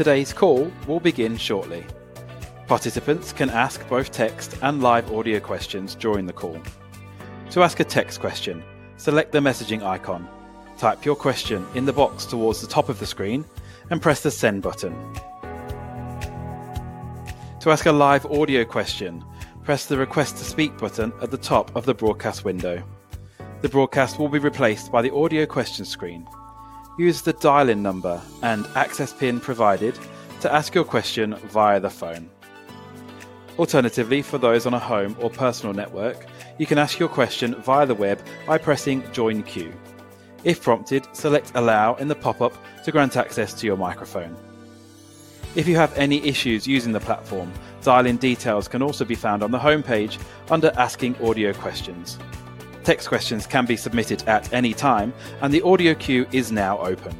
Today's call will begin shortly. Participants can ask both text and live audio questions during the call. To ask a text question, select the messaging icon, type your question in the box towards the top of the screen, and press the Send button. To ask a live audio question, press the Request to Speak button at the top of the broadcast window. The broadcast will be replaced by the Audio Question screen. Use the dial-in number and access pin provided to ask your question via the phone. Alternatively, for those on a home or personal network, you can ask your question via the web by pressing Join Queue. If prompted, select Allow in the pop-up to grant access to your microphone. If you have any issues using the platform, dial in. Details can also be found on the homepage under Asking Audio Questions. Text questions can be submitted at any time, and the audio queue is now open.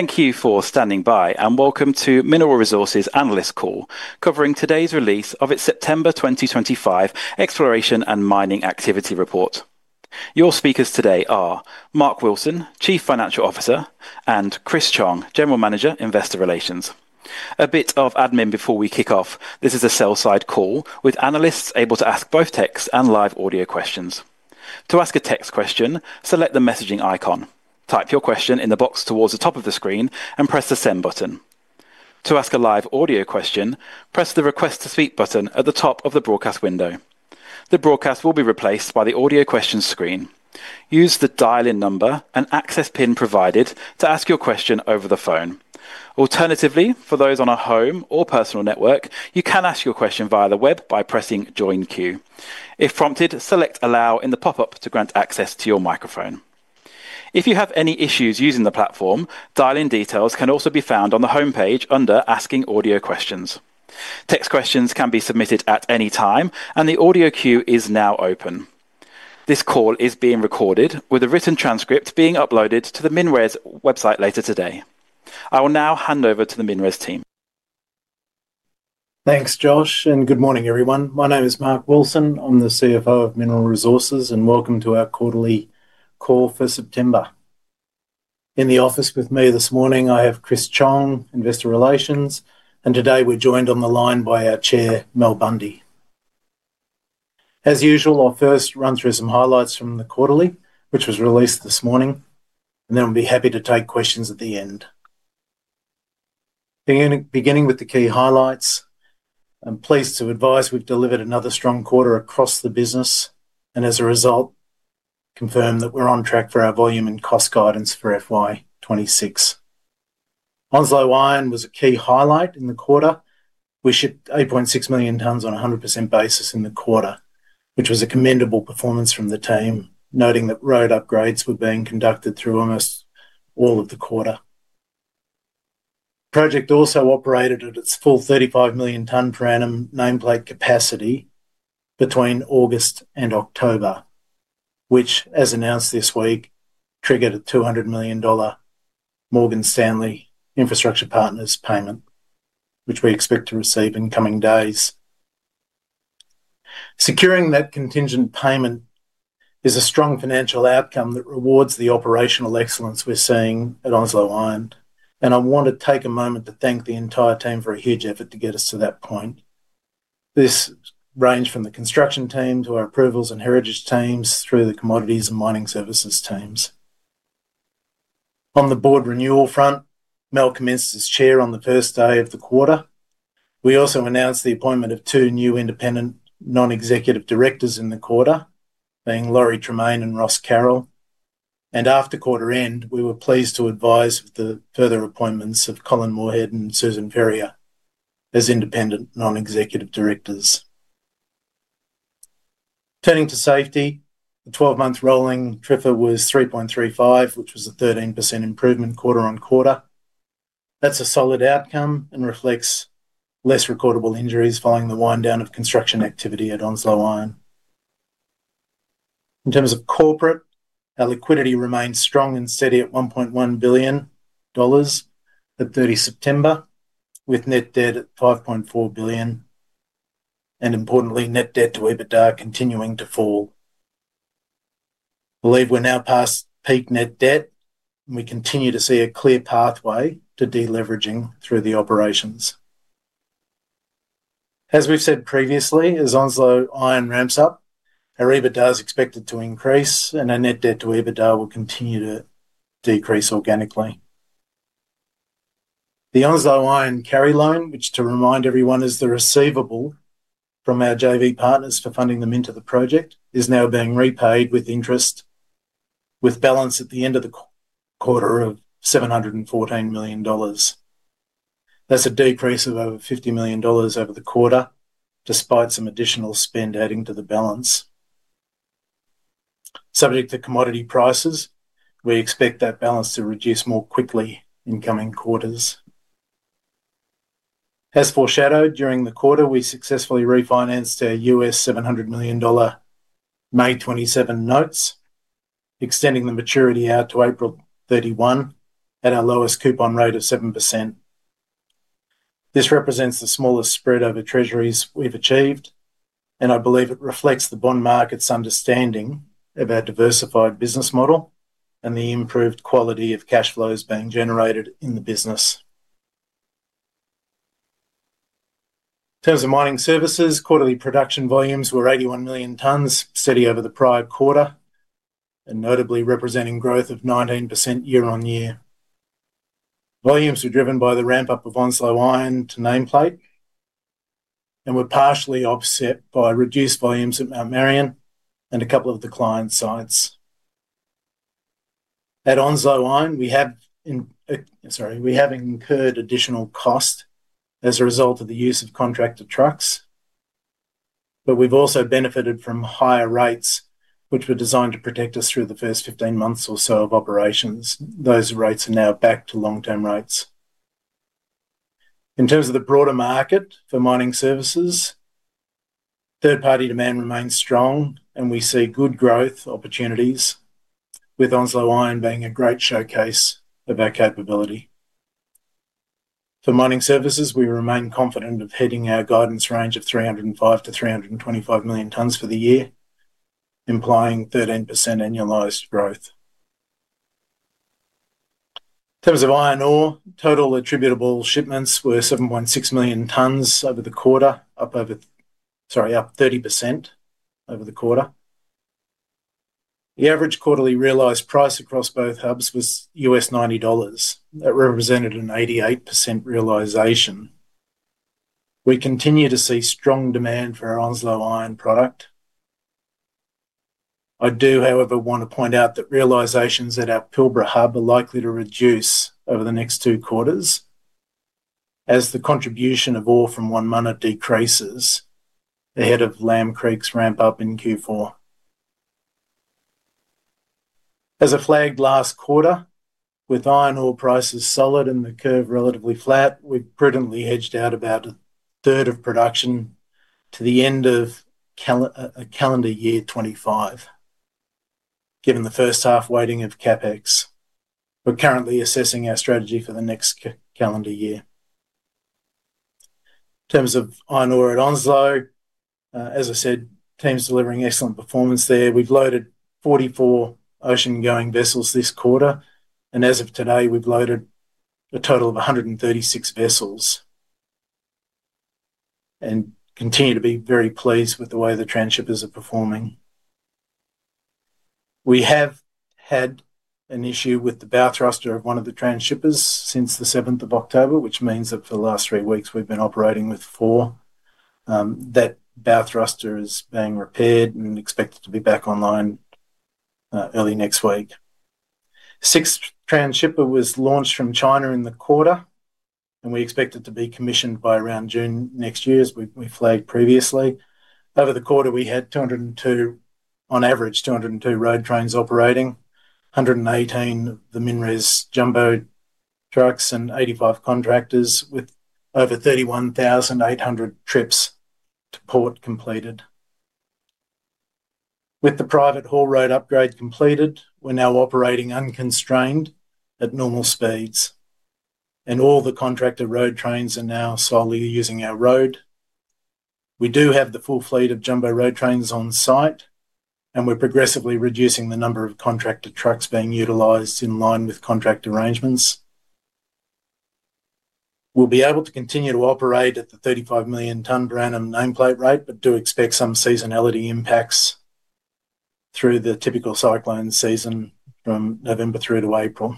SA. Thank you for standing by and welcome to Mineral Resources analyst call covering today's release of its September 2025 Exploration and Mining Activity Report. Your speakers today are Mark Wilson, Chief Financial Officer, and Chris Chong, General Manager, Investor Relations. A bit of admin before we kick off. This is a sell side call with analysts able to ask both text and live audio questions. To ask a text question, select the messaging icon, type your question in the box towards the top of the screen, and press the Send button. To ask a live audio question, press the Request to Speak button at the top of the broadcast window. The broadcast will be replaced by the Audio Questions screen. Use the dial in number and access pin provided to ask your question over the phone. Alternatively, for those on a home or personal network, you can ask your question via the web by pressing Join Queue. If prompted, select Allow in the pop up to grant access to your microphone. If you have any issues using the platform, dial in. Details can also be found on the homepage under Asking Audio Questions. Text questions can be submitted at any time and the audio queue is now open. This call is being recorded with a written transcript being uploaded to the MinRes website later today. I will now hand over to the MinRes team. Thanks Josh and good morning everyone. My name is Mark Wilson. I'm the CFO of Mineral Resources and welcome to our quarterly call for September. In the office with me this morning I have Chris Chong, Investor Relations, and today we're joined on the line by our Chair, Malcolm Bundey. As usual, I'll first run through some highlights from the quarterly which was released this morning and then we'll be happy to take questions at the end, beginning with the key highlights. I'm pleased to advise we've delivered another strong quarter across the business and as a result confirm that we're on track for our volume and cost guidance for FY 2026. Onslow Iron was a key highlight in the quarter. We shipped 8.6 million tonnes on 100% basis in the quarter, which was a commendable performance from the team, noting that road upgrades were being conducted through Onslow. All of the quarter, the project also operated at its full 35 million tonne per annum nameplate capacity between August and October, which as announced this week triggered a 200 million dollar Morgan Stanley Infrastructure Partners payment which we expect to receive in coming days. Securing that contingent payment is a strong financial outcome that rewards the operational excellence we're seeing at Onslow Iron and I want to take a moment to thank the entire team for a huge effort to get us to that point. This ranged from the construction team to our approvals and heritage teams through the commodities and mining services teams. On the board renewal front, Malcolm commences as Chair on the first day of the quarter. We also announced the appointment of two new independent non-executive directors in the quarter, being Laurie Tremain and Ross Carroll, and after quarter end we were pleased to advise the further appointments of Colin Moorhead and Susan Ferrier as independent non-executive directors. Turning to safety, the 12 month rolling TRIFA was 3.35, which was a 13% improvement quarter on quarter. That's a solid outcome and reflects less recordable injuries following the wind down of construction activity at Onslow Iron. In terms of corporate, our liquidity remains strong and steady at 1.1 billion dollars at 30 September with net debt at 5.4 billion and importantly net debt to EBITDA continuing to fall. Believe we're now past peak net debt and we continue to see a clear pathway to deleveraging through the operations. As we've said previously, as Onslow Iron ramps up, our EBITDA is expected to increase and our net debt to EBITDA will continue to decrease organically. The Onslow Iron Carry loan, which to remind everyone is the receivable from our JV partners for funding them into the project, is now being repaid with interest with balance at the end of the quarter of 714 million dollars. That's a decrease of over 50 million dollars over the quarter. Despite some additional spend adding to the balance subject to commodity prices, we expect that balance to reduce more quickly in coming quarters. As foreshadowed during the quarter, we successfully refinanced a $700 million May 2027 notes extending the maturity out to April 2031 at our lowest coupon rate of 7%. This represents the smallest spread over treasuries we've achieved, and I believe it reflects the bond market's understanding of our diversified business model and the improved quality of cash flows being generated in the business. In terms of Mining Services, quarterly production volumes were 81 million tonnes, steady over the prior quarter and notably representing growth of 19% year on year. Volumes were driven by the ramp up of Onslow Iron to nameplate and were partially offset by reduced volumes at Mount Marion and a couple of declined sites at Onslow Iron. We have incurred additional cost as a result of the use of contractor trucks, but we've also benefited from higher rates which were designed to protect us through the first 15 months or so of operations. Those rates are now back to long term rates. In terms of the broader market for Mining Services, third party demand remains strong and we see good growth opportunities with Onslow Iron being a great showcase of our capability for Mining Services. We remain confident of hitting our guidance range of 305-325 million tonnes for the year, implying 13% annualized growth. In terms of Iron Ore, total attributable shipments were 7.6 million tonnes over the quarter, up 30% over the quarter. The average quarterly realized price across both hubs was $90. That represented an 88% realization. We continue to see strong demand for our Onslow Iron product. I do however want to point out that realizations at our Pilbara hub are likely to reduce over the next two quarters as the contribution of ore from 1 Mana decreases ahead of Lamb Creek's ramp up in Q4 as flagged last quarter. With iron ore prices solid and the curve relatively flat, we prudently hedged out about a third of production to the end of calendar year 2025 given the first half weighting of CapEx. We're currently assessing our strategy for the next calendar year in terms of iron ore at Onslow. As I said, teams delivering excellent performance there. We've loaded 44 oceangoing vessels this quarter and as of today we've loaded a total of 136 vessels and continue to be very pleased with the way the transshippers are performing. We have had an issue with the bow thruster of one of the transshippers since the 7th of October, which means that for the last three weeks we've been operating with four. That bow thruster is being repaired and expected to be back online early next week. Sixth transshipper was launched from China in the quarter and we expect it to be commissioned by around June next year. As we flagged previously, over the quarter we had on average 202 road trains operating, 118 the MinRes Jumbo trains trucks and 85 contractors, with over 31,800 trips to Port completed. With the private haul road upgrade completed, we're now operating unconstrained at normal speeds and all the contractor road trains are now solely using our road. We do have the full fleet of Jumbo road trains on site and we're progressively reducing the number of contractor trucks being utilized. In line with contract arrangements, we'll be able to continue to operate at the 35 million tonne per annum nameplate rate, but do expect some seasonality impacts through the typical cyclone season from November through to April.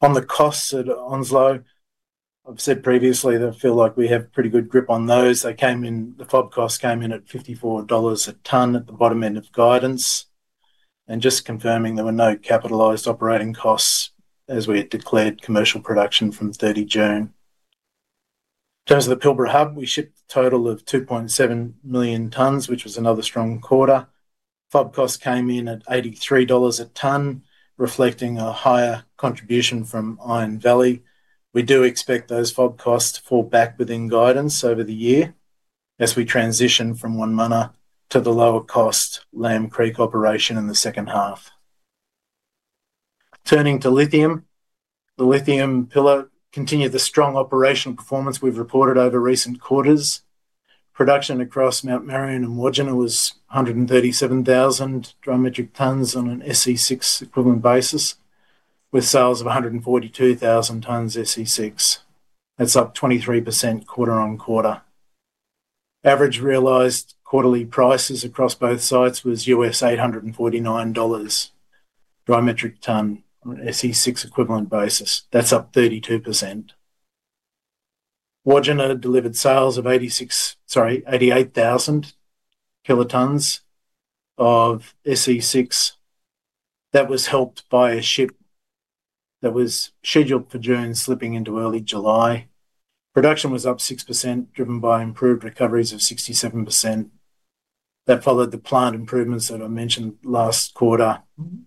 On the costs at Onslow, I've said previously that I feel like we have pretty good grip on those. They came in. The FOB costs came in at 54 dollars a tonne at the bottom end of guidance and just confirming there were no capitalized operating costs as we had declared commercial production from 30 June. In terms of the Pilbara hub, we shipped a total of 2.7 million tonnes, which was another strong quarter. FOB cost came in at 83 dollars a tonne, reflecting a higher contribution from Iron Valley. We do expect those FOB costs to fall back within guidance over the year as we transition from 1 Mana to the lower cost Lamb Creek operation in the second half. Turning to lithium, the lithium pillar continued the strong operational performance we've reported over recent quarters. Production across Mount Marion and Wodgina was 137,000 dry metric tonnes on an SE6 equivalent basis with sales of 142,000 tonnes. SE6, that's up 23% quarter on quarter average. Realized quarterly prices across both sites was 849 dollars per dry metric tonne on an SE6 equivalent basis, that's up 32%. Wodgina delivered sales of 88,000 tonnes of SE6. That was helped by a ship that was scheduled for June slipping into early July. Production was up 6% driven by improved recoveries of 67%. That followed the plant improvements that I mentioned last quarter,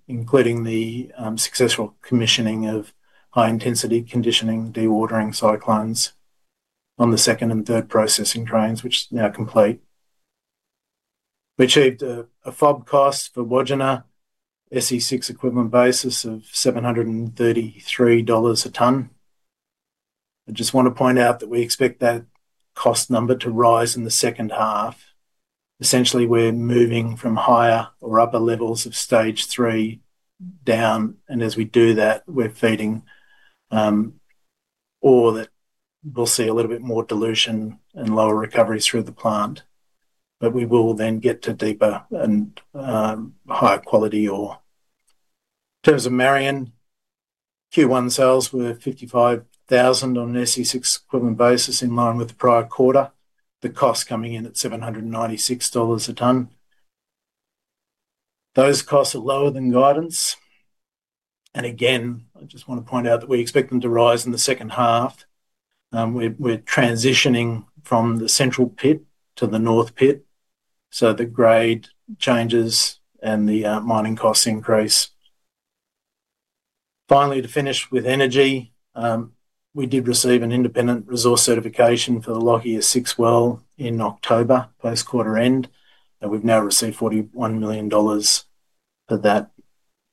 including the successful commissioning of high intensity conditioning dewatering cyclones on the second and third processing trains which are now complete. We achieved a FOB cost for Wodgina SE6 equivalent basis of 733 dollars a tonne. I just want to point out that we expect that cost number to rise in the second half. Essentially we're moving from higher or upper levels of stage three down, and as we do that, we're feeding ore that will see a little bit more dilution and lower recovery through the plant, but we will then get to deeper and higher quality ore. In terms of Marion, Q1 sales were 55,000 on an SE6 equivalent basis in line with the prior quarter, the cost coming in at 796 dollars a tonne. Those costs are lower than guidance and again, I just want to point out that we expect them to rise in the second half. We're transitioning from the central pit to the north pit, so the grade changes and the mining costs increase. Finally, to finish with energy, we did receive an independent resource certification for the Lockyer 6 well in October post quarter end and we've now received 41 million dollars for that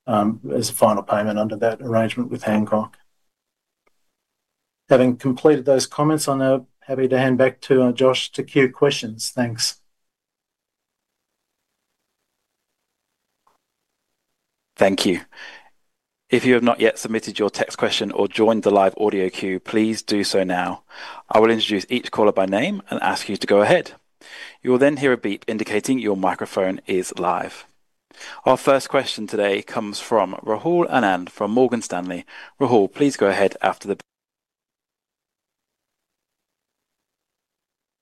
as a final payment under that arrangement with Hancock. Having completed those comments, I'm now happy to hand back to Josh to queue questions. Thanks. Thank you. If you have not yet submitted your text question or joined the live audio queue, please do so now. I will introduce each caller by name and ask you to go ahead. You will then hear a beep indicating your microphone is live. Our first question today comes from Rahul Anand from Morgan Stanley. Rahul, please go ahead after the beep.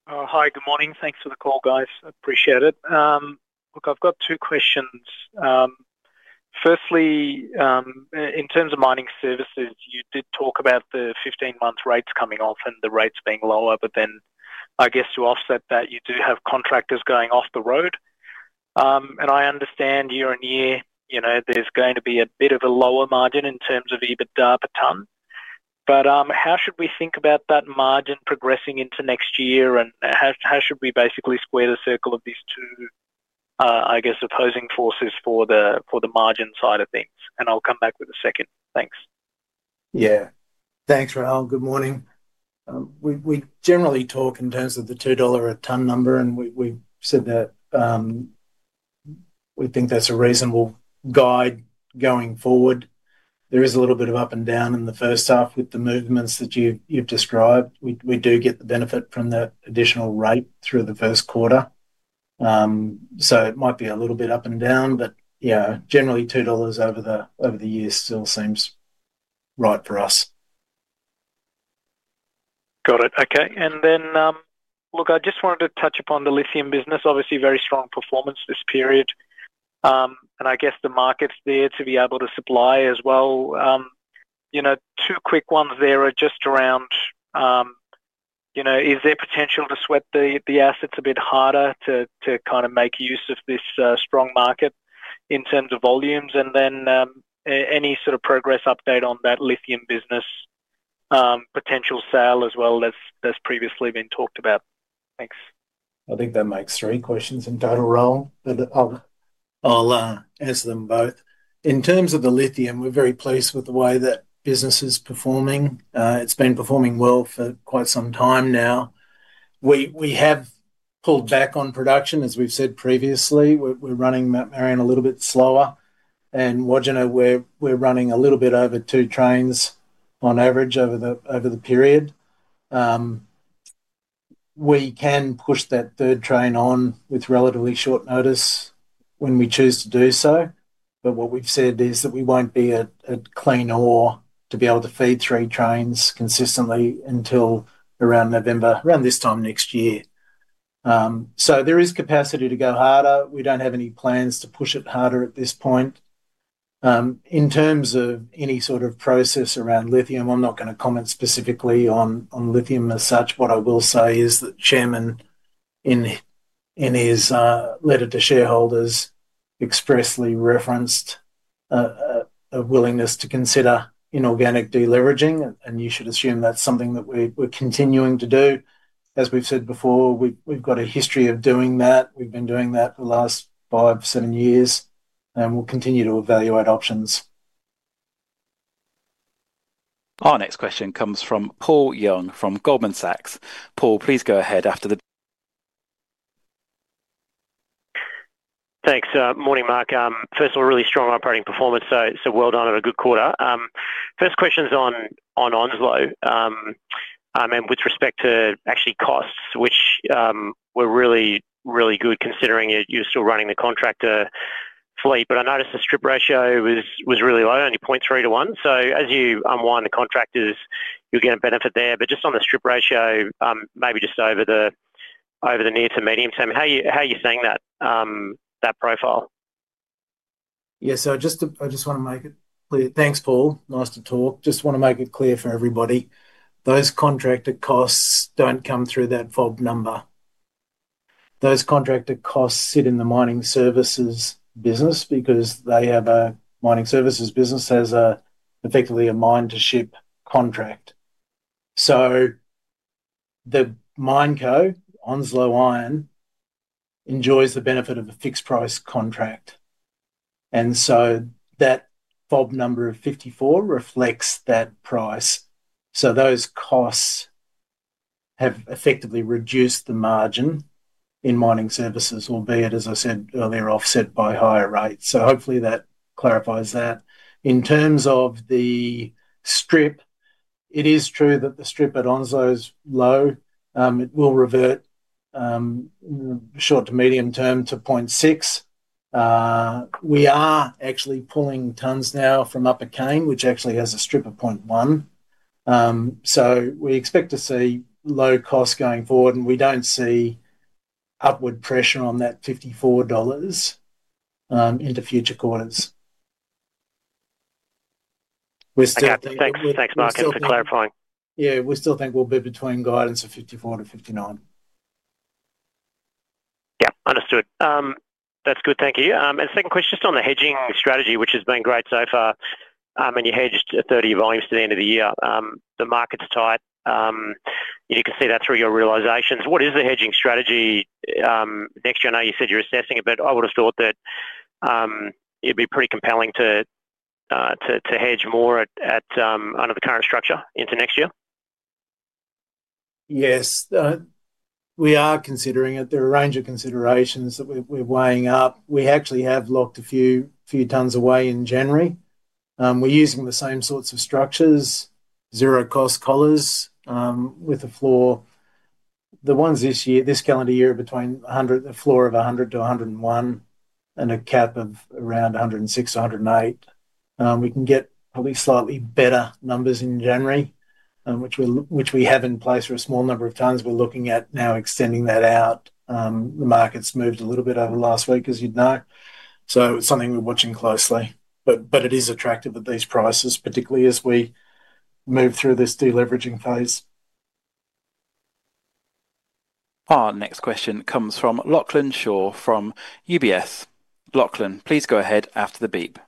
Hi, good morning. Thanks for the call guys, appreciate it. Look, I've got two questions. Firstly, in terms of Mining Services, you did talk about the 15 month rates coming off and the rates being lower. I guess to offset that, you do have contractors going off the road and I understand year on year, there's going to be a bit of a lower margin in terms of EBITDA per tonne. How should we think about that margin progressing into next year and how should we basically square the circle of these two opposing forces for the margin side of things? I'll come back with a second. Thanks. Yeah, thanks, Rahul. Good morning. We generally talk in terms of the 2 dollar a tonne number, and we said that we think that's a reasonable guide going forward. There is a little bit of up and down in the first half with the movements that you've described. We do get the benefit from that additional rate through the first quarter. It might be a little bit up and down, but yeah, generally 2 dollars over the years still seems right for us. Got it. Okay. I just wanted to touch upon the lithium business. Obviously very strong performance this period and I guess the market's there to be able to supply as well. Two quick ones there are just around, you know, is there potential to sweat the assets a bit harder to kind of make use of this strong market in terms of volumes, and then any sort of progress update on that lithium business potential sale as well as that's previously been talked about. Thanks. I think that makes three questions in total. I'll answer them both in terms of the lithium. We're very pleased with the way that business is performing. It's been performing well for quite some time now. We have pulled back on production, as we've said previously. We're running Mount Marion a little bit slower and Wodgina, where we're running a little bit over two trains on average over the period. We can push that third train on with relatively short notice when we choose to do so. What we've said is that we won't be at clean ore to be able to feed three trains consistently until around November, around this time next year. There is capacity to go harder. We don't have any plans to push it harder at this point in terms of any sort of process around lithium. I'm not going to comment specifically on lithium as such. What I will say is that the Chairman in his letter to shareholders expressly referenced a willingness to consider inorganic deleveraging, and you should assume that's something that we're continuing to do. As we've said before, we've got a history of doing that. We've been doing that for the last five, seven years and we'll continue to evaluate options. Our next question comes from Paul Young from Goldman Sachs. Paul, please go ahead. Thanks. Morning Mark. First of all, really strong operating performance. So well done and a good quarter. First question's on Onslow and with respect to actually costs which were really, really good considering you're still running the contractor fleet. I noticed the strip ratio was really low, only 0.3/1. As you unwind the contractors, you benefit there, but just on the strip ratio maybe just over the near to medium term. How are you seeing that profile? I just want to make it clear. Thanks Paul, nice to talk. Just want to make it clear for everybody those contractor costs don't come through that FOB number. Those contractor costs sit in the Mining Services business because the Mining Services business has effectively a mine to ship contract. The mine company Onslow Iron enjoys the benefit of a fixed price contract, and that FOB number of 54 reflects that price. Those costs have effectively reduced the margin in Mining Services, albeit, as I said earlier, offset by higher rates. Hopefully that clarifies that. In terms of the strip, it is true that the strip at Onslow is low. It will revert short to medium term to 0.6. We are actually pulling tons now from Upper Cane, which actually has a strip of 0.1. We expect to see low cost going forward and we don't see upward pressure on that 54 dollars into future quarters. Thanks, Mark, and for clarifying. Yeah, we still think we'll be between guidance of 54-59. Yep, understood. That's good. Thank you. Second question, just on the hedging strategy, which has been great so far and you hedged 30 volumes to the end of the year. The market's tight. You can see that through your realizations. What is the hedging strategy next year? I know you said you're assessing it, but I would have thought that it'd be pretty compelling to hedge more under the current structure into next year. Yes, we are considering it. There are a range of considerations that we're weighing up. We actually have locked a few tonnes away in January. We're using the same sorts of structures, zero-cost collars with a floor, the ones this year, this calendar year, between 100, the floor of 100-101 and a cap of around 106, 108. We can get probably slightly better numbers in January, which we have in place for a small number of tonnes. We're looking at now extending that out. The market's moved a little bit over the last week, as you'd know, so it's something we're watching closely. It is attractive at these prices, particularly as we move through this deleveraging phase. Our next question comes from Lachlan Shaw from UBS. Lachlan, please go ahead after the beep.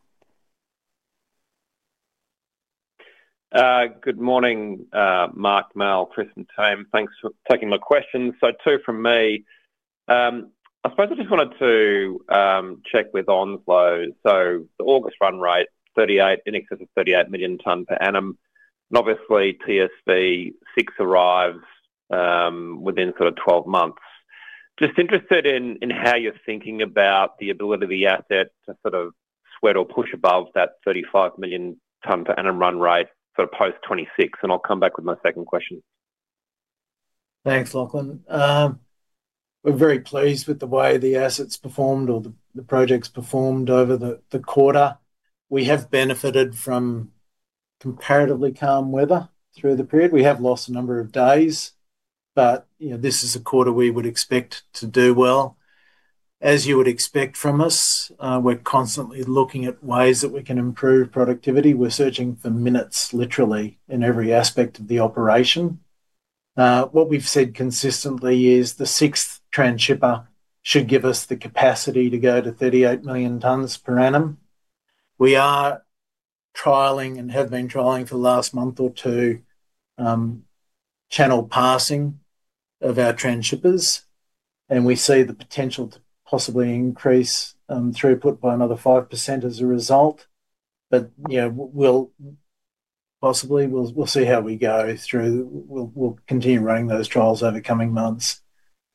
Good morning, Mark, Mel, Chris, and Tame. Thanks for taking my questions. Two from me. I just wanted to check with Onslow. The August run rate, in excess of 38 million tonnes per annum, and obviously TSV6 arrives within sort of 12 months. I'm just interested in how you're thinking about the ability of the asset to sweat or push above that 35 million tonnes per annum run rate post 2026. I'll come back with my second question. Thanks, Lachlan. We're very pleased with the way the assets performed or the projects performed over the quarter. We have benefited from comparatively calm weather through the period. We have lost a number of days. This is a quarter we would expect to do well, as you would expect from us. We're constantly looking at ways that we can improve productivity. We're searching for minutes literally in every aspect of the operation. What we've said consistently is the sixth transhipper should give us the capacity to go to 38 million tons per annum. We are trialing and have been trialing for the last month or two channel passing of our transhippers, and we see the potential to possibly increase throughput by another 5% as a result. We'll see how we go through. We'll continue running those trials over coming months.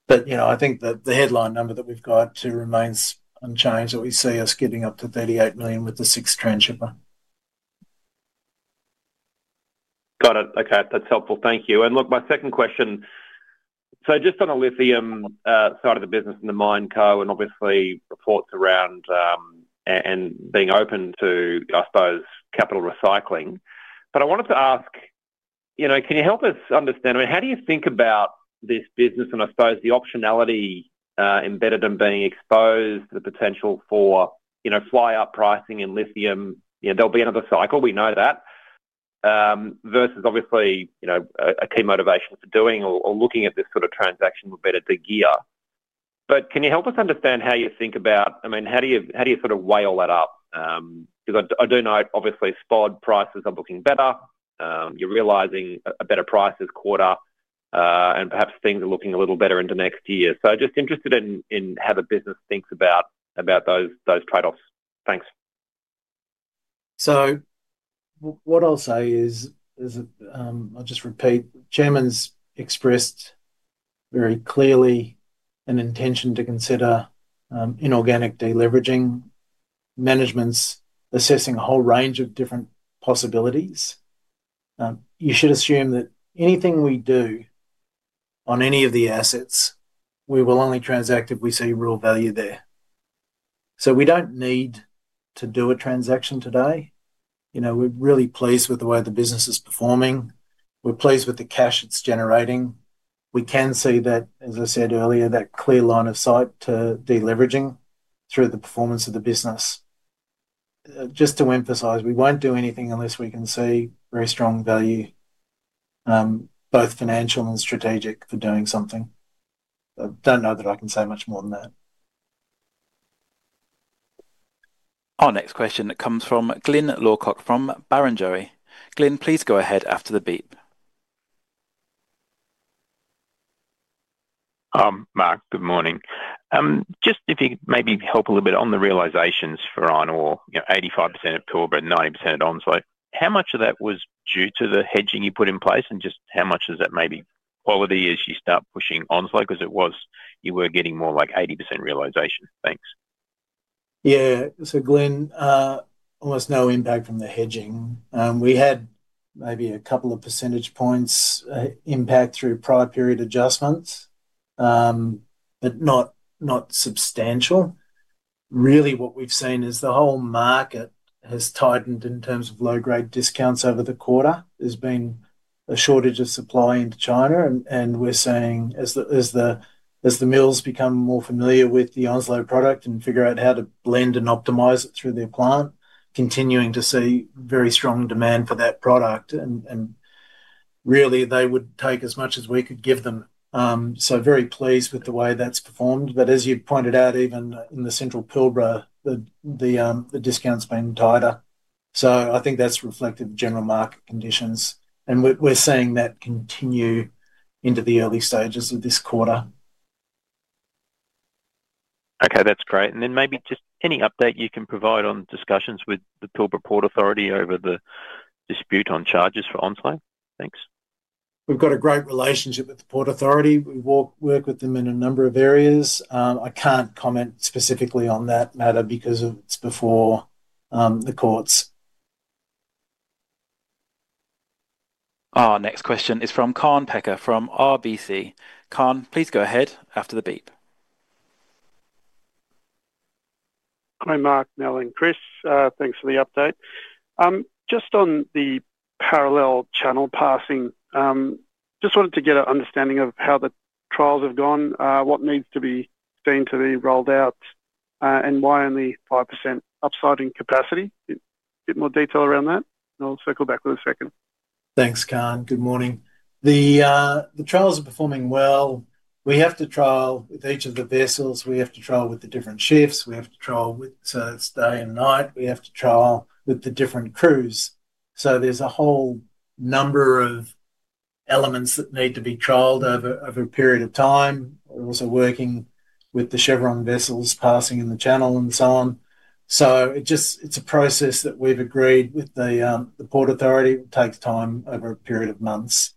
I think that the headline number that we've got to remains unchanged, that we see us getting up to 38 million with the sixth transhipper. Got it. Okay, that's helpful, thank you. My second question, just on the lithium side of the business in the Mineco and obviously reports around and being open to, I suppose, capital recycling. I wanted to ask, can you help us understand how do you think about this business and, I suppose, the optionality embedded in being exposed to the potential for fly up pricing in lithium? There'll be another cycle, we know that. Versus obviously a key motivation for doing or looking at this sort of transaction would be to gear. Can you help us understand how you think about, I mean, how do you sort of weigh all that up? I do know obviously spot prices are looking better. You're realizing a better price has caught up and perhaps things are looking a little better into next year. Just interested in how the business thinks about those trade-offs. Thanks. I'll just repeat, Chairman's expressed very clearly an intention to consider inorganic deleveraging. Management's assessing a whole range of different possibilities. You should assume that anything we do on any of the assets, we will only transact if we see real value there. We don't need to do a transaction today. We're really pleased with the way the business is performing. We're pleased with the cash it's generating. We can see that, as I said earlier, that clear line of sight to deleveraging through the performance of the business. Just to emphasize, we won't do anything unless we can see very strong value, both financial and strategic, for doing something. I don't know that I can say much more than that. Our next question comes from Glyn Lawcock from Barrenjoey. Glyn, please go ahead after the beep. Mark, good morning. Just if you maybe help a little bit on the realizations for iron ore, 85% of Port, 90% Onslow. How much of that was due to the hedging you put in place? Just how much is that maybe quality as you start pushing Onslow? Because it was, you were getting more like 80% realization. Thanks. Yeah. So, Glyn, almost no impact from the hedging. We had maybe a couple of percentage impact through prior period adjustments, but not substantial, really. What we've seen is the whole market has tightened in terms of low grade discounts over the quarter. There's been a shortage of supply into China. We're seeing as the mills become more familiar with the Onslow product and figure out how to blend and optimize it through their plant, continuing to see very strong demand for that product. Really, they would take as much as we could give them. Very pleased with the way that's performed. As you pointed out, even in the central Pilbara, the discount's been tighter. I think that's reflective of general market conditions and we're seeing that continue into the early stages of this quarter. Okay, that's great. Maybe just any update you can provide on discussions with the Port Authority over the dispute on charges for Onslow. Thanks. We've got a great relationship with the Port Authority. We work with them in a number of areas. I can't comment specifically on that matter because it's before the courts. Our next question is from Kaan Peker from RBC. Kaan, please go ahead after the beep. Hi, Mark, Nell and Chris, thanks for the update. Just on the parallel channel passing, just wanted to get an understanding of how the trials have gone, what needs to be seen to be rolled out and why only 5% upside in capacity. A bit more detail around that. I'll circle back with a second. Thanks. Kaan, good morning. The trials are performing well. We have to trial with each of the vessels, we have to trial with the different shifts, we have to trial with day and night. We have to trial with the different crews. There is a whole number of elements that need to be trialed over a period of time. We're also working with the Chevron vessels passing in the channel and so on. It is a process that we've agreed with the Port Authority that takes time over a period of months.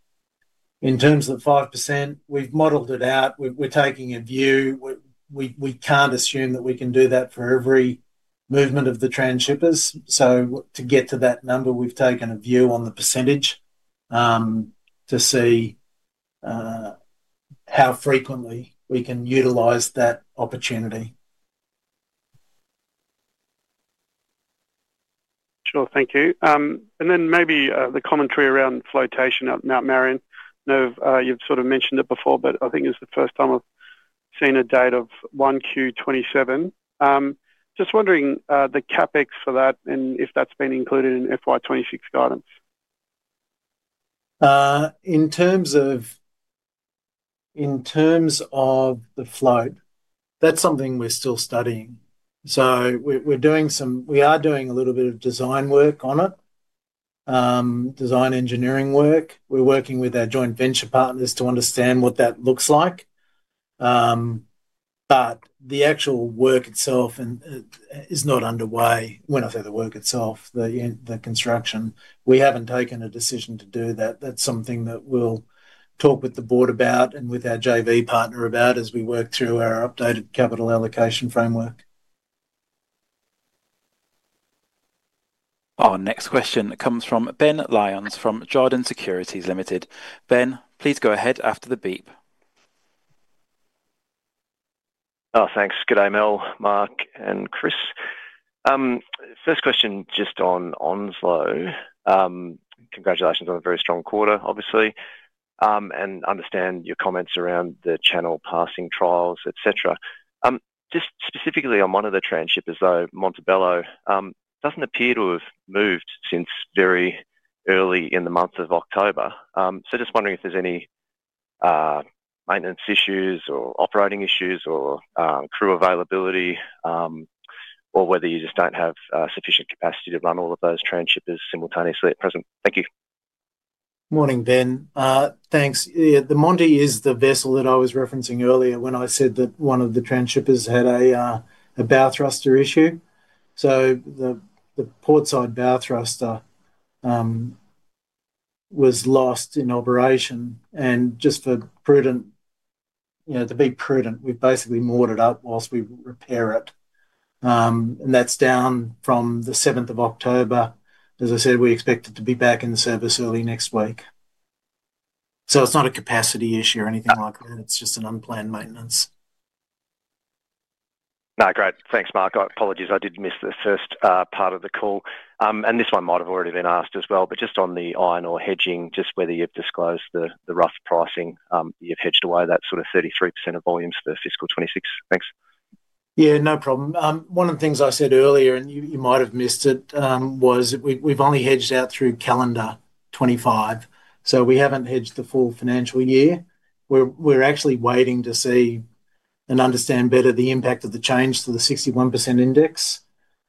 In terms of 5%, we've modeled it out. We're taking a view. We can't assume that we can do that for every movement of the transshippers. To get to that number, we've taken a view on the percentage to see how frequently we can utilize that opportunity. Sure. Thank you. Maybe the commentary around flotation at Mount Marion. You've sort of mentioned it before, but I think it's the first time I've seen a date of 1Q 2027. Just wondering the CapEx for that and if that's been included in FY 2026 guidance. In terms of the float, that's something we're still studying. We are doing a little bit of design work on it, design, engineering work. We're working with our joint venture partners to understand what that looks like. The actual work itself is not underway. When I say the work itself, the construction, we haven't taken a decision to do that. That's something that we'll talk with the board about and with our JV partner about as we work through our updated capital allocation framework. Our next question comes from Ben Lyons from Jarden Limited. Ben, please go ahead after the beep. Thanks. Good day, Mel, Mark and Chris. First question just on Onslow. Congratulations on a very strong quarter, obviously, and understand your comments around the channel passing trials, etc. Just specifically on one of the transshippers, though, Montebello doesn't appear to have moved since very early in the month of October. Just wondering if there's any maintenance issues or operating issues or crew availability, or whether you just don't have sufficient capacity to run all of those transshippers simultaneously at present. Thank you. Morning, Ben. Thanks. The Monde is the vessel that I was referencing earlier when I said that one of the trans shippers had a bow thruster issue. The port side bow thruster was lost in operation. Just to be prudent, we basically moored it up whilst we repair it, and that's down from the 7th of October. As I said, we expect it to be back in service early next week. It's not a capacity issue or anything like that. It's just an unplanned maintenance. No, great. Thanks, Mark. Apologies, I did miss the first part of the call and this one might have already been asked as well, but just on the iron ore hedging, just whether you've disclosed the rough pricing, you've hedged away that sort of 33% of volumes for FY 2026. Thanks. Yeah, no problem. One of the things I said earlier, and you might have missed, was we've only hedged out through calendar 2025, so we haven't hedged the full financial year. We're actually waiting to see and understand better the impact of the change to the 61% index.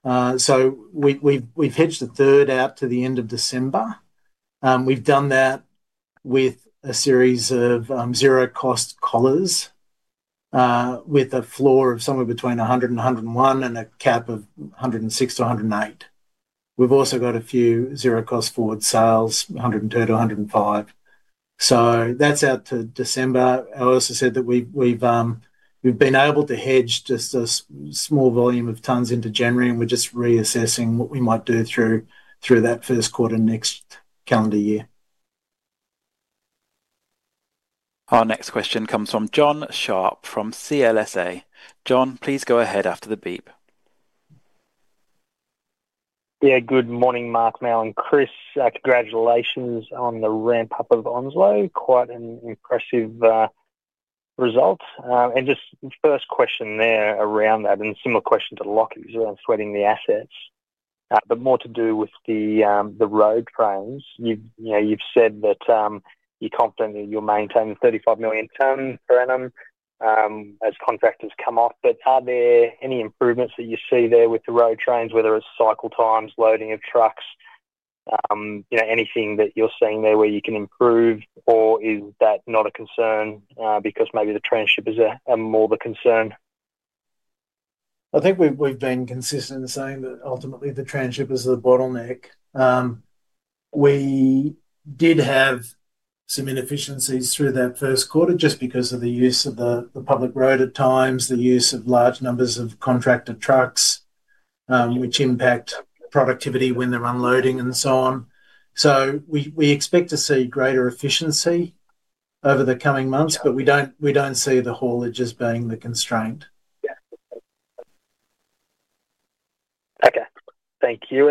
We've hedged a third out to the end of December. We've done that with a series of zero-cost collars with a floor of somewhere between 100 and 101 and a cap of 106-108. We've also got a few zero-cost forward sales, 102-105, so that's out to December. I also said that we've been able to hedge just a small volume of tonnes into January, and we're just reassessing what we might do through that first quarter next calendar year. Our next question comes from Jonathan Sharp from CLSA. Jonathan, please go ahead after the beep. Yeah, good morning, Mark, Mal and Chris. Congratulations on the ramp up of Onslow. Quite an impressive result. Just first question there around that and similar question to Lockie’s around sweating the assets, but more to do with the road trains. You've said that you're confident that you're maintaining 35 million tonnes per annum as contractors come off. Are there any improvements that you see there with the road trains, whether it's cycle times, loading of trucks, anything that you're seeing there where you can improve? Is that not a concern because maybe the transship is more of a concern? I think we've been consistent in saying that ultimately the tranship is the bottleneck. We did have some inefficiencies through that first quarter just because of the use of the public road at times, the use of large numbers of contractor trucks, which impact productivity when they're unloading and so on. We expect to see greater efficiency over the coming months, but we don't see the haulage as being the constraint. Okay, thank you.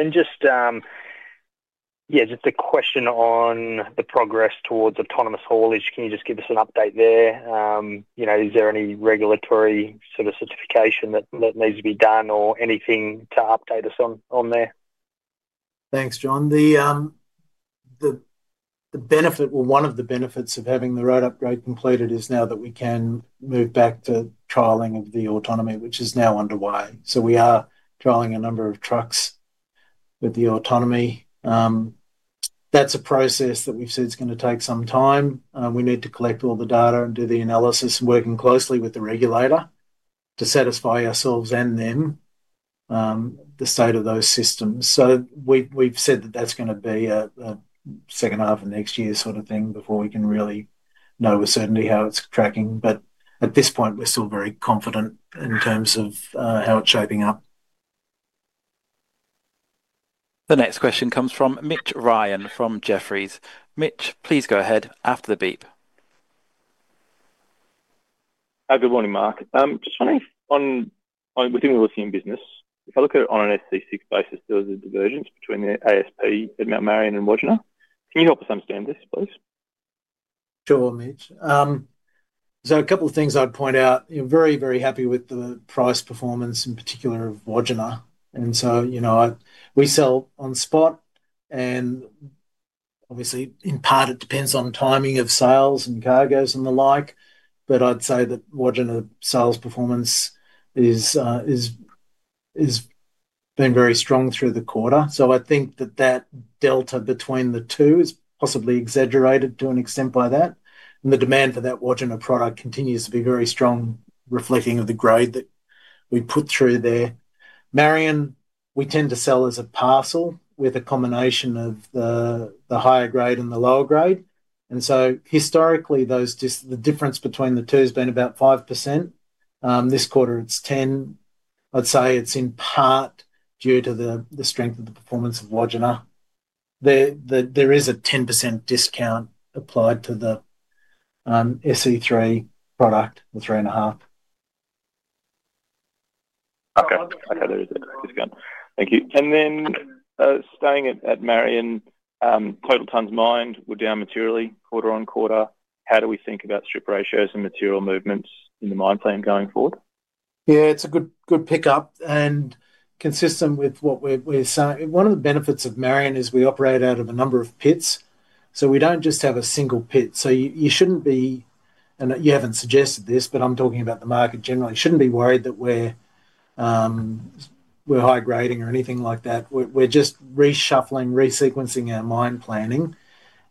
Just a question on the progress towards autonomous haulage. Can you give us an update there? Is there any regulatory sort of certification that needs to be done or anything to update us on there? Thanks, Jon. One of the benefits of having the road upgrade completed is now that we can move back to trialing of the autonomy, which is now underway. We are trialing a number of trucks with the autonomy. That's a process that we've said is going to take some time. We need to collect all the data and do the analysis, working closely with the regulator to satisfy ourselves and them the state of those systems. We've said that that's going to be a second half of next year sort of thing before we can really know with certainty how it's tracking. At this point we're still very confident in terms of how it's shaping up. The next question comes from Mitch Ryan from Jefferies. Mitch, please go ahead after the beep. Good morning, Mark. Just wondering, within the lithium business, if I look at it on an SE6 basis, there was a divergence between the ASP at Mount Marion and Wodgina. Can you help us understand this, please? Sure, Mitch. A couple of things I'd point out. We're very, very happy with the price performance in particular of Wodgina. We sell on spot and obviously in part it depends on timing of sales and cargoes and the like. I'd say that Wodgina sales performance has been very strong through the quarter. I think that delta between the two is possibly exaggerated to an extent by that. The demand for that Wodgina product continues to be very strong, reflecting the grade that we put through there. Marion, we tend to sell as a parcel with a combination of the higher grade and the lower grade. Historically, the difference between the two has been about 5%. This quarter it's 10%. I'd say it's in part due to the strength of the performance of Wodgina. There is a 10% discount applied to the SE6 product, the three and a half. Okay, thank you. Staying at Marion, total tonnes mined were down materially quarter on quarter. How do we think about strip ratios and material movements in the mine plan going forward? Yeah, it's a good pickup and consistent with what we're saying. One of the benefits of Marion is we operate out of a number of pits, so we don't just have a single pit. You shouldn't be, and you haven't suggested this, but I'm talking about the market generally, shouldn't be worried that we're high grading or anything like that. We're just reshuffling, resequencing our mine planning.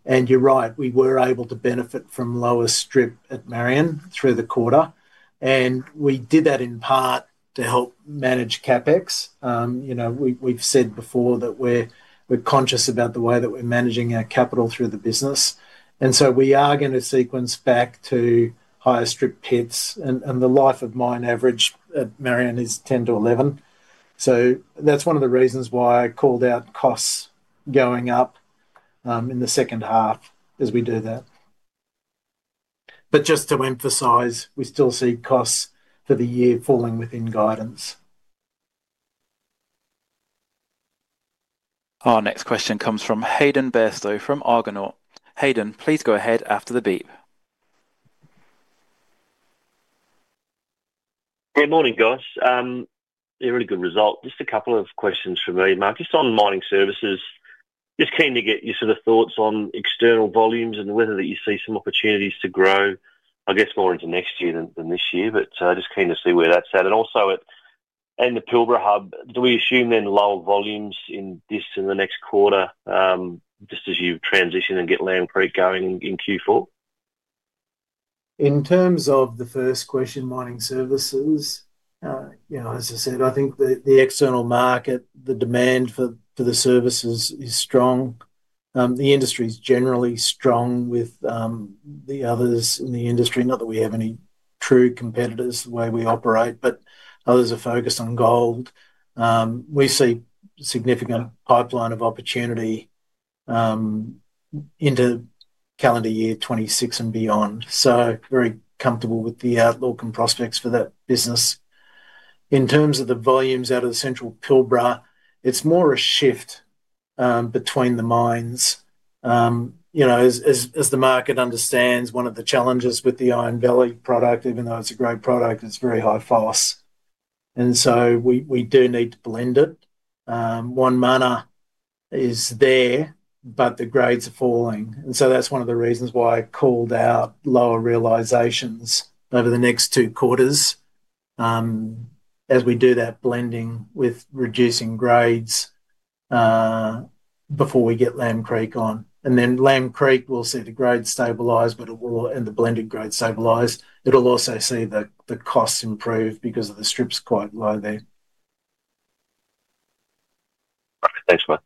You're right, we were able to benefit from lower strip at Marion through the quarter, and we did that in part to help manage CapEx. We've said before that we're conscious about the way that we're managing our capital through the business, and we are going to sequence back to higher strip pits. The life of mine average at Marion is 10-11. That's one of the reasons why I called out costs going up in the second half as we do that. Just to emphasize, we still see costs for the year falling within guidance. Our next question comes from Hayden Bairstow from Argonaut. Hayden, please go ahead after the beep. Good morning guys. Really good result. Just a couple of questions for me Mark, just on Mining Services. Just keen to get your sort of thoughts on external volumes and whether you see some opportunities to grow I guess more into next year than this year, just keen to see where that's at. Also, on the Pilbara hub, do we assume then lower volumes in this in the next quarter just as you transition and get Lamb Creek going. In Q4 in terms of the first question, mining services, as I said, I think the external market, the demand for the services is strong. The industry is generally strong with the others in the industry. Not that we have any true competitors the way we operate, but others are focused on gold. We see significant pipeline of opportunity into calendar year 2026 and beyond. Very comfortable with the outlook and prospects for that business. In terms of the volumes out of the central Pilbara, it's more a shift between the mines. As the market understands, one of the challenges with the Iron Valley product, even though it's a great product, it's very high foss and so we do need to blend it. One mine is there but the grades are falling. That's one of the reasons why I called out lower realizations over the next two quarters as we do that blending with reducing grades before we get Lamb Creek on, and then Lamb Creek will see the grade stabilize and the blended grade stabilize. It'll also see the costs improve because of the strips. Quite low there. Thanks Mark.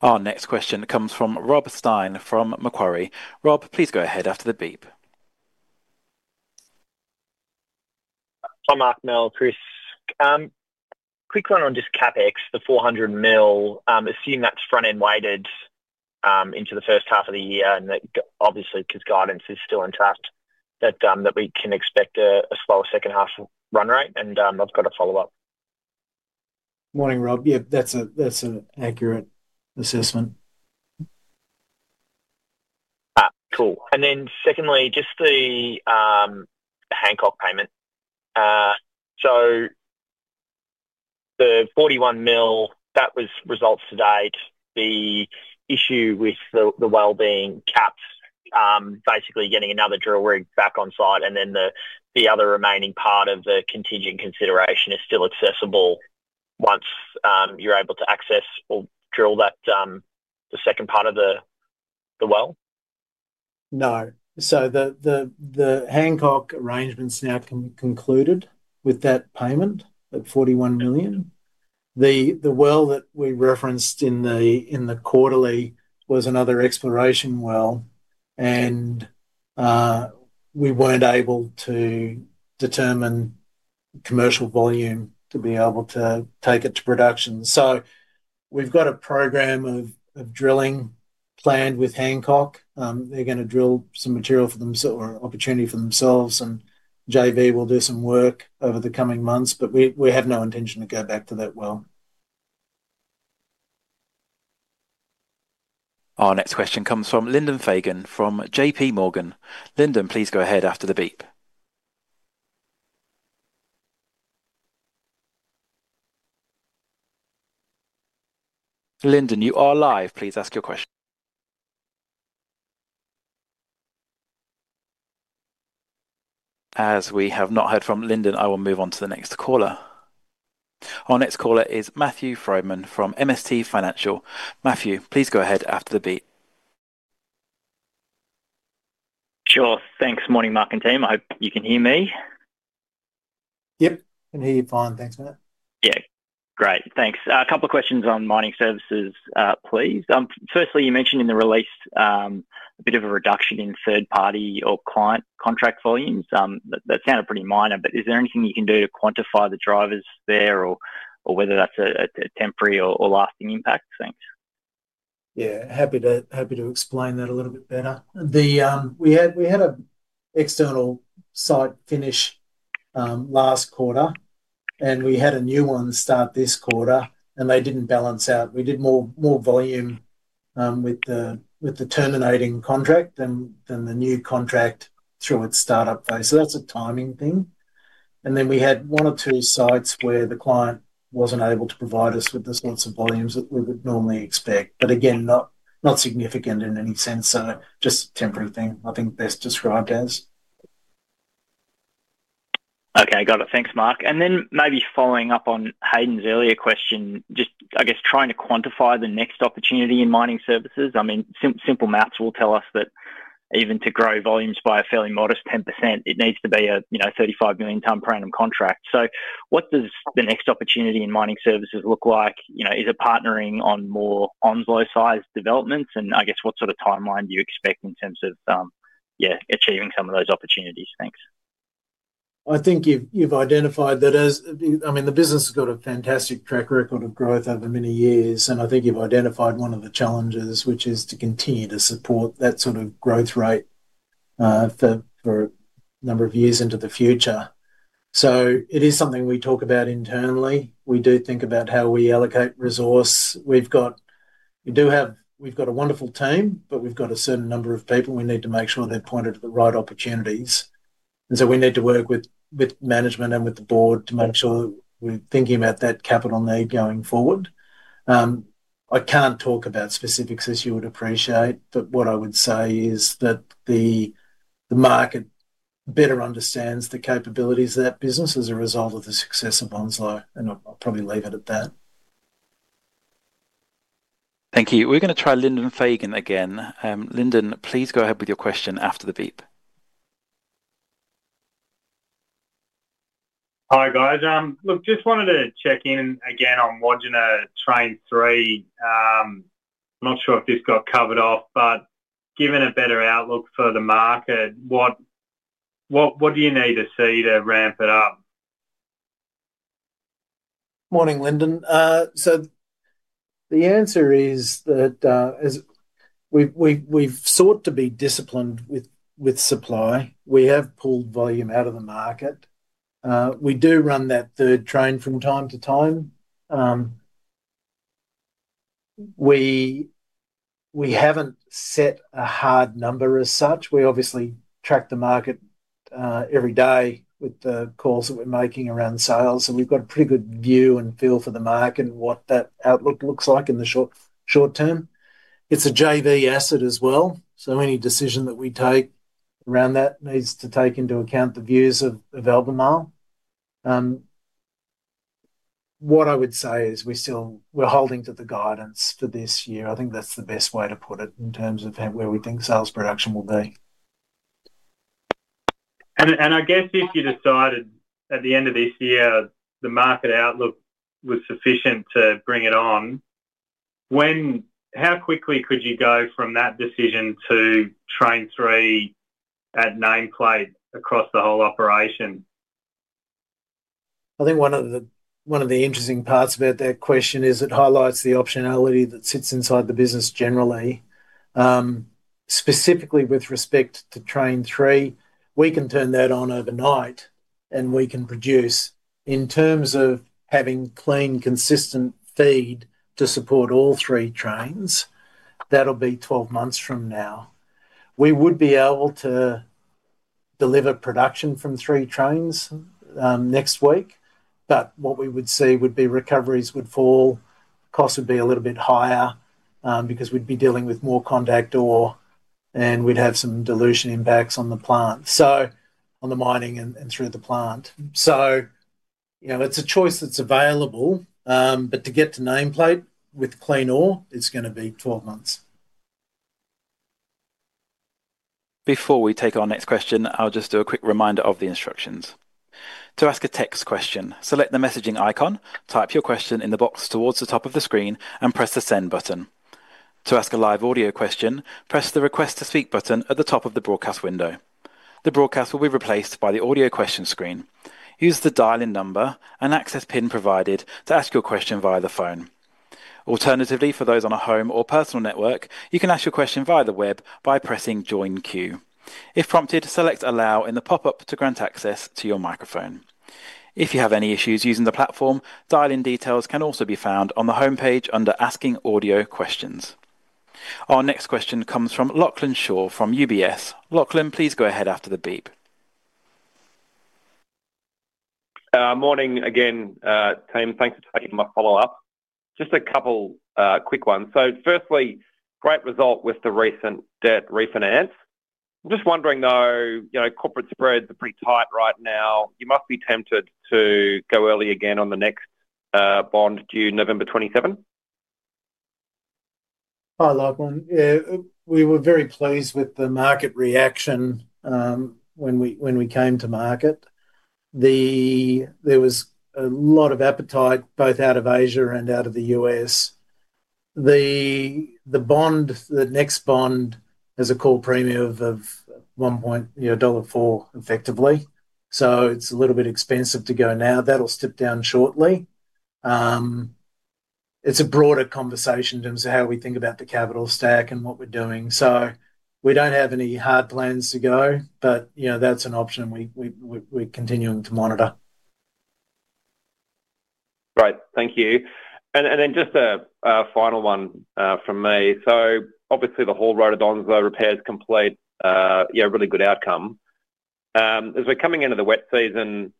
Our next question comes from Rob Stein from Macquarie. Rob, please go ahead after the beep. I'm Mark Wilson. Chris, quick one on just CapEx. The 400 million, assume that's front end weighted into the first half of the year, and that obviously because guidance is still intact, that we can expect a slower second half run rate. I've got a follow up. Morning Rob. Yeah, that's an accurate assessment. Cool. Secondly, just the Hancock payment. The 41 million, that was results to date. The issue with the well being capped, basically getting another drill rig back on site, and then the other remaining part of the contingent consideration is still accessible once you're able to access or drill the second part of the well? No. The Hancock arrangements now can be concluded with that payment at 41 million. The well that we referenced in the quarterly was another exploration well, and we weren't able to determine commercial volume to be able to take it to production. We've got a program of drilling planned with Hancock. They're going to drill some material for them, so opportunity for themselves, and JV will do some work over the coming months, but we have no intention to go back to that well. Our next question comes from Lyndon Fagan from J.P. Morgan. Lyndon, please go ahead after the beep. Lyndon, you are live. Please ask your question. As we have not heard from Lyndon, I will move on to the next caller. Our next caller is Matthew Frydman from MST. Matthew, please go ahead after the beep. Sure, thanks. Morning Mark and team. I hope you can hear me. Yep, can hear you fine. Thanks, Matt. Yeah, great, thanks. A couple of questions on Mining Services please. Firstly, you mentioned in the release a bit of a reduction in third party or client contract volumes. That sounded pretty minor, but is there anything you can do to quantify the drivers there or whether that's a temporary or lasting impact? Thanks. Yeah, happy to explain that a little bit better. We had an external site finish last quarter, and we had a new one start this quarter, and they didn't balance out. We did more volume with the terminating contract than the new contract through its startup phase. That's a timing thing. We had one or two sites where the client wasn't able to provide us with the sorts of volumes that we would normally expect. Again, not significant in any sense. Just a temporary thing, I think best described as. Okay, got it. Thanks, Mark. Maybe following up on Hayden's earlier question, just trying to quantify the next opportunity in Mining Services. Simple math will tell us that even to grow volumes by a fairly modest 10% it needs to be a 35 million tonne per annum contract. What does the next opportunity in Mining Services look like? Is it partnering on more Onslow Iron size developments, and what sort of timeline do you expect in terms of achieving some of those opportunities? Thanks. I think you've identified that. I mean the business has got a fantastic track record of growth over many years, and I think you've identified one of the challenges, which is to continue to support that sort of growth rate for a number of years into the future. It is something we talk about internally. We do think about how we allocate resource. We've got a wonderful team, but we've got a certain number of people. We need to make sure they're pointed to the right opportunities. We need to work with management and with the board to make sure we're thinking about that capital need going forward. I can't talk about specifics, as you would appreciate, but what I would say is that the market better understands the capabilities of that business as a result of the success of Onslow. I'll probably leave it at that. Thank you. We're going to try Lyndon Fagan again. Lyndon, please go ahead with your question after the beep. Hi, guys. Just wanted to check in again on Wodgina train 3. I'm not sure if this got covered off, but given a better outlook for the market, what do you need to see to ramp it up? Morning, Lyndon. The answer is that we've sought to be disciplined with supply. We have pulled volume out of the market. We do run that third train from time to time. We haven't set a hard number as such. We obviously track the market every day with the calls that we're making around sales. We've got a pretty good view and feel for the market and what that outlook looks like in the short, short term. It's a JV asset as well, so any decision that we take around that needs to take into account the views of Albemarle. What I would say is we still, we're holding to the guidance for this year. I think that's the best way to put it in terms of where we think sales, production will be. If you decided at the end of this year the market outlook was sufficient to bring it on, how quickly could you go from that decision to train three at nameplate across the whole operation? I think one of the interesting parts about that question is it highlights the optionality that sits inside the business generally. Specifically with respect to train three, we can turn that on overnight and we can produce in terms of having clean, consistent feed to support all three trains. That'll be 12 months from now. We would be able to deliver production from three trains next week, but what we would see would be recoveries would fall, costs would be a little bit higher because we'd be dealing with more contact ore and we'd have some dilution impacts on the plant, on the mining and through the plant. It's a choice that's available, but to get to nameplate with clean ore is going to be 12 months. Before we take our next question, I'll just do a quick reminder of the instructions. To ask a text question, select the messaging icon, type your question in the box towards the top of the screen, and press the Send button. To ask a live audio question, press the Request to Speak button at the top of the broadcast window. The broadcast will be replaced by the audio question screen. Use the dial-in number and access pin provided to ask your question via the phone. Alternatively, for those on a home or personal network, you can ask your question via the web by pressing Join Queue. If prompted, select Allow in the pop-up to grant access to your microphone. If you have any issues using the platform, dial in. Details can also be found on the homepage under Asking Audio Questions. Our next question comes from Lachlan Shaw from UBS. Lachlan, please go ahead after the beep. Morning again team. Thanks for taking my follow up. Just a couple quick ones. Firstly, great result with the recent debt refinance. I'm just wondering though, you know, corporate spreads are pretty tight right now. You must be tempted to go early again on the next bond due November 2027. Hi Lachlan. Yeah, we were very pleased with the market reaction when we came to market. There was a lot of appetite both out of Asia and out of the U.S. The bond, the next bond is a core premium of 1.4 effectively. It's a little bit expensive to go now. That'll step down shortly. It's a broader conversation in terms of how we think about the capital stack and what we're doing. We don't have any hard plans to go, but that's an option we're continuing to monitor. Right, thank you. Just a final one from me. Obviously the whole road on the repairs is complete. Yeah, really good outcome as we're coming into the wet season,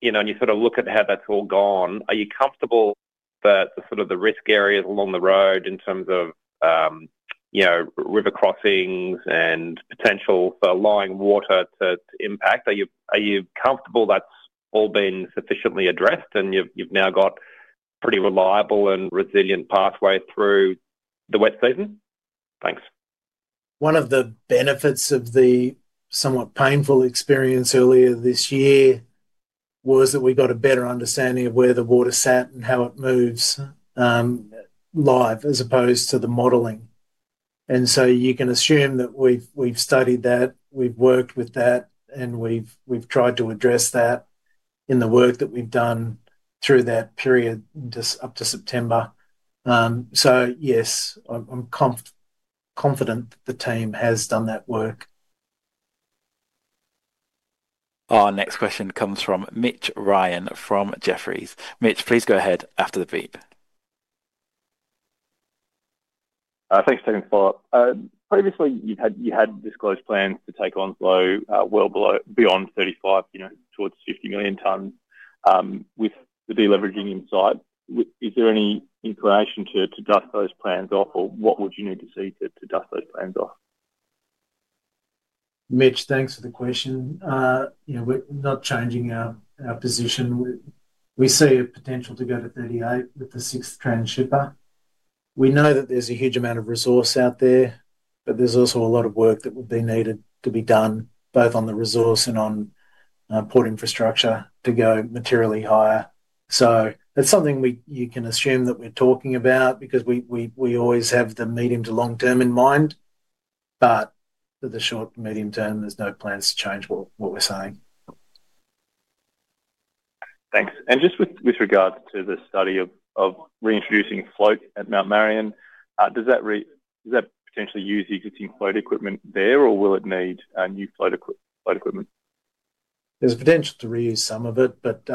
you know, and you sort of look at how that's all gone. Are you comfortable that the risk areas along the road in terms of, you know, river crossings and potential for lying water to impact, are you comfortable that's all been sufficiently addressed and you've now got pretty reliable and resilient pathway through the wet season? Thanks. One of the benefits of the somewhat painful experience earlier this year was that we got a better understanding of where the water sat and how it moves live as opposed to the modeling. You can assume that we've studied that, we've worked with that, and we've tried to address that in the work that we've done through that period up to September. Yes, I'm confident the team has done that work. Our next question comes from Mitch Ryan from Jefferies. Mitch, please go ahead after the beep. Thanks for taking the follow up. Previously you had disclosed plans to take Onslow well below, beyond 35, you know, towards 50 million tonnes. With the deleveraging in sight, is there any inclination to dust those plans off, or what would you need to see to dust those plans off? Mitch, thanks for the question. We're not changing our position. We see a potential to go to 38 with the sixth transhipper. We know that there's a huge amount of resource out there, but there's also a lot of work that would be needed to be done both on the resource and on port infrastructure to go materially higher. You can assume that we're talking about that because we always have the medium to long term in mind. For the short, medium term, there's no plans to change what we're saying. Thanks. With regards to the study of reintroducing float at Mount Marion, does that potentially use the existing float equipment there, or will it need new float equipment? There's potential to reuse some of it, but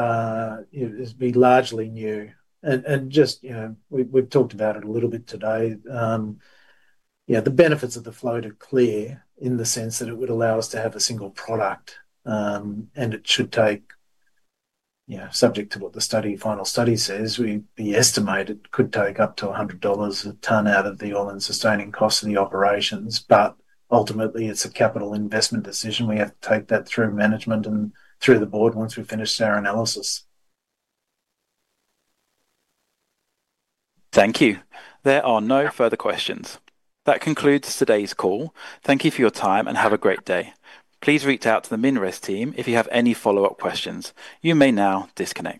it'd be largely new and just, you know, we've talked about it a little bit today. The benefits of the float are clear in the sense that it would allow us to have a single product, and it should take, subject to what the final study says, we estimate it could take up to 100 dollars a tonne out of the all-in sustaining cost of the operations. Ultimately, it's a capital investment decision. We have to take that through management and through the board once we finish our analysis. Thank you. There are no further questions. That concludes today's call. Thank you for your time and have a great day. Please reach out to the MinRes team if you have any follow up questions. You may now disconnect.